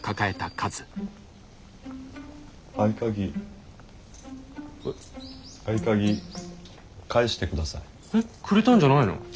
えっくれたんじゃないの？